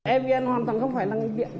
evn hoàn toàn không phải là ngành điện